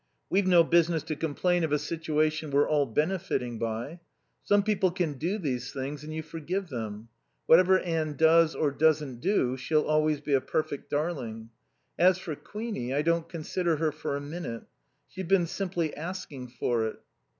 We've no business to complain of a situation we're all benefitting by. Some people can do these things and you forgive them. Whatever Anne does or doesn't do she'll always be a perfect darling. As for Queenie, I don't consider her for a minute. She's been simply asking for it."